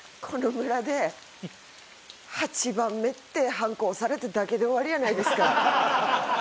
この村で８番目ってはんこ押されただけで終わりやないですか。